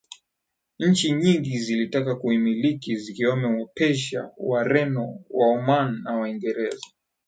Nchi nyingi zilitaka kuimiliki zikiwemo wapersia wareno waoman na waingereza